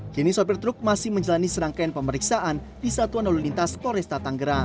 kini sopir truk masih menjalani serangkaian pemeriksaan di satuan lalu lintas poresta tanggerang